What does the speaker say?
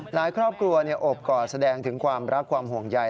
ครอบครัวโอบกอดแสดงถึงความรักความห่วงใย